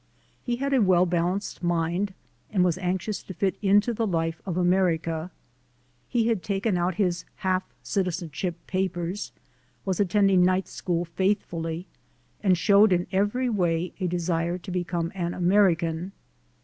He had a well balanced mind and was anxious to fit into the life of America. He had taken out his "half citizen ship" papers, was attending night school faithfully and showed in every way a desire to become an American.